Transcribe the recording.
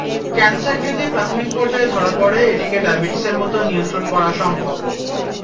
Cancer যদি প্রাথমিক পর্যায়ে ধরা পড়ে, এটিকে ডায়াবেটিসের মতো নিয়ন্ত্রণ করা সম্ভব।